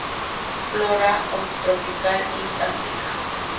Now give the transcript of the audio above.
Flora of tropical East Africa.